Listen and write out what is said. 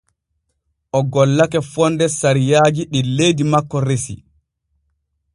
O gollake fonde sariyaaji ɗi leydi makko resi.